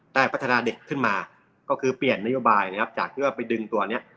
พัฒนาเด็กขึ้นมาก็คือเปลี่ยนนโยบายนะครับจากที่ว่าไปดึงตัวเนี้ย